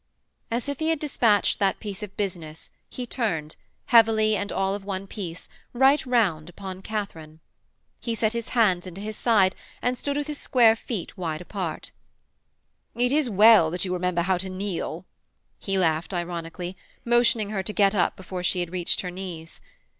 As if he had dispatched that piece of business he turned, heavily and all of one piece, right round upon Katharine. He set his hands into his side and stood with his square feet wide apart: 'It is well that you remember how to kneel,' he laughed, ironically, motioning her to get up before she had reached her knees.